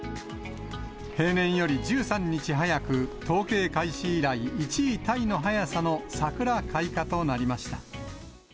平年より１３日早く、統計開始以来１位タイの早さの桜開花となりました。